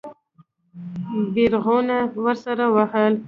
بیرغونه ورسره وهل.